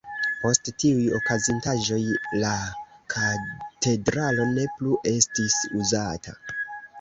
Post tiuj okazintaĵoj la katedralo ne plu estis uzata.